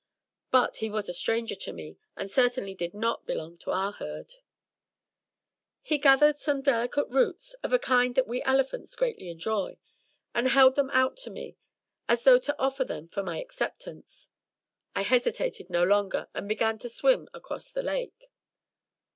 But he was a stranger to me, and certainly did not belong to our Herd. He gathered some delicate roots, of a kind that we elephants greatly enjoy, and held them out to me, as though to offer them for my acceptance. I hesitated no longer, but began to swim across the Lake.